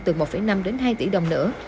từ một năm đến hai tỷ đồng nữa